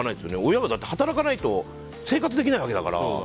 親が働かないと生活できないわけだから。